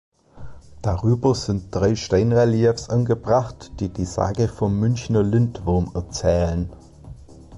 Darüber sind drei Steinreliefs angebracht, die die Sage vom Münchner Lindwurm erzählen.